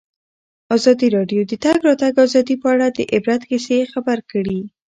ازادي راډیو د د تګ راتګ ازادي په اړه د عبرت کیسې خبر کړي.